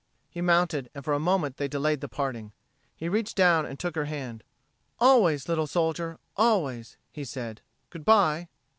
He mounted and for a moment they delayed the parting. He reached down and took her hand. "Always, little soldier, always," he said. "Good by."